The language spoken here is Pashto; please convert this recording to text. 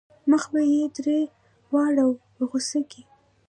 مخ به یې ترې واړاوه په غوسه کې.